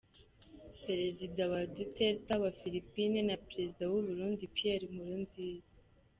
Perezida wa Duterte wa Philippines na Perezida w’ u Burundi Pierre Nkurunziza.